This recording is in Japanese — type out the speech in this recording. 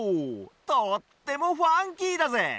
とってもファンキーだぜ！